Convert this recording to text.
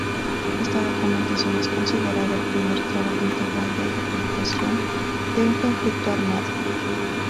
Esta documentación es considerada el primer trabajo integral de documentación de un conflicto armado.